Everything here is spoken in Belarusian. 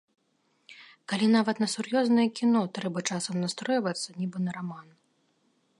Калі нават на сур'ёзнае кіно трэба часам настройвацца нібы на раман.